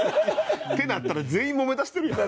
ってなったら全員もめだしてるやん。